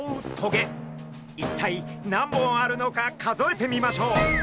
一体何本あるのか数えてみましょう。